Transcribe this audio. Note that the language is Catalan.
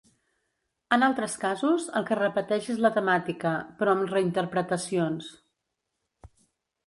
En altres casos el que repeteix és la temàtica, però amb reinterpretacions.